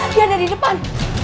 dia ada di depan